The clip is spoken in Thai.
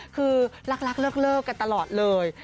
คือรักเลิกกันตลอดเลย